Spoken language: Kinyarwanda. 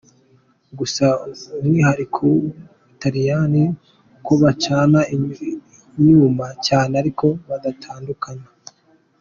Gusa umwihariko w’u Butaliyani ni uko bacana inyuma cyane, ariko badatandukana.